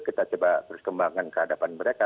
kita coba terus kembangkan kehadapan mereka